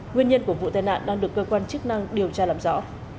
nguyên nhân của vụ tai nạn đang được cơ quan chức năng điều tra làm rõ